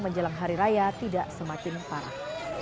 menjelang hari raya tidak semakin parah